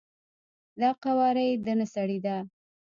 دا قواره یی د نه سړی ده،